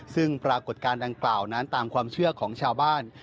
ซึ่งปรากฏการณ์ดังกล่าวนั้นตามความเชื่อของชาวบ้าน